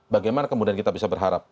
bagaimana kemudian kita bisa berharap